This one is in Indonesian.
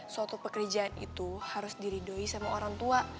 suatu pekerjaan itu harus diridui sama orang tua